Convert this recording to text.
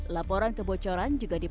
laporan kebocoran juga dikirimkan